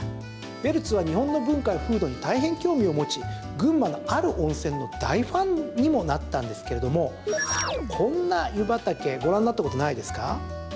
ベルツは日本の文化や風土に大変興味を持ち群馬の、ある温泉の大ファンにもなったんですけどもこんな湯畑ご覧になったことないですか？